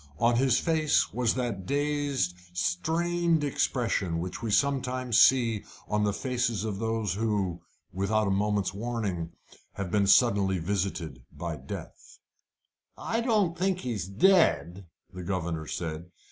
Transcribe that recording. On his face was that dazed, strained expression which we sometimes see on the faces of those who, without a moment's warning, have been suddenly visited by death. "I don't think he's dead," the governor said.